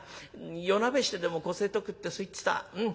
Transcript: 夜なべしてでもこせえとくってそう言ってたうん。